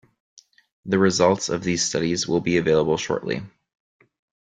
The results of these studies will be available shortly.